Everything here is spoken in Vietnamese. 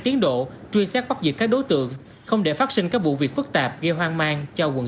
tiến độ truy xét bắt giữ các đối tượng không để phát sinh các vụ việc phức tạp gây hoang mang cho quận